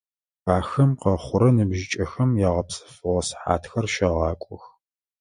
Ахэм къэхъурэ ныбжьыкӀэхэм ягъэпсэфыгъо сыхьатхэр щагъакӀох.